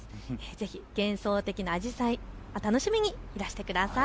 ぜひ幻想的なあじさい、楽しみにいらしてください。